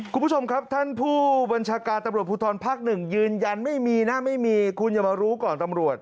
คุณผู้ชมครับท่านผู้บัญชาการตำรวจภูทรภาคหนึ่งยืนยันไม่มีนะไม่มีคุณอย่ามารู้ก่อนตำรวจ